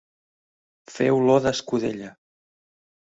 Fer olor d'escudella.